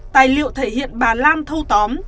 tài liệu thể hiện bà lan thâu tóm